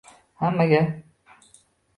Hammaga